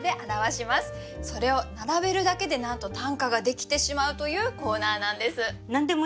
それを並べるだけでなんと短歌ができてしまうというコーナーなんです。